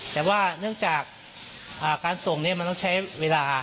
แต่ว่าเนื่องจากการส่งนี้มันต้องใช้เวลา